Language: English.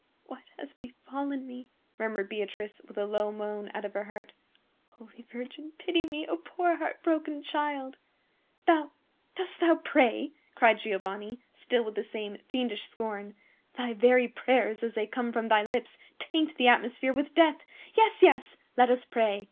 "What has befallen me?" murmured Beatrice, with a low moan out of her heart. "Holy Virgin, pity me, a poor heart broken child!" "Thou,—dost thou pray?" cried Giovanni, still with the same fiendish scorn. "Thy very prayers, as they come from thy lips, taint the atmosphere with death. Yes, yes; let us pray!